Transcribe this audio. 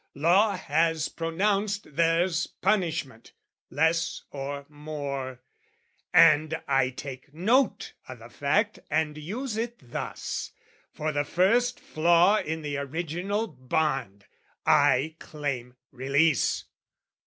"Law has pronounced there's punishment, less or more: "And I take note o' the fact and use it thus "For the first flaw in the original bond, "I claim release.